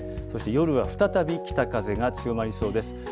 そして夜は再び北風が強まりそうです。